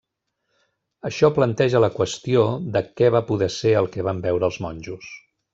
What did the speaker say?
Això planteja la qüestió de què va poder ser el que van veure els monjos.